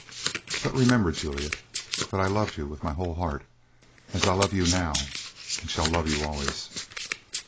"But remember, Juliet, that I loved you with my whole heart as I love you now and shall love you always."